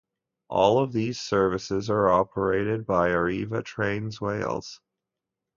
All of these services are operated by Arriva Trains Wales.